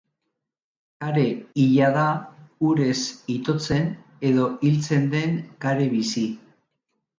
Kare hila da, urez itotzen edo hiltzen den kare bizi.